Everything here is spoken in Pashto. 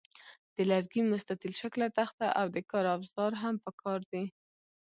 د لرګي مستطیل شکله تخته او د کار اوزار هم پکار دي.